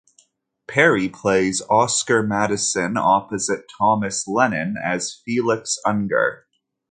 Perry plays Oscar Madison opposite Thomas Lennon as Felix Unger.